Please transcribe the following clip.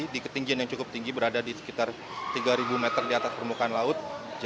di ketinggian yang cukup tinggi berada di sekitar tiga meter di atas permukaan laut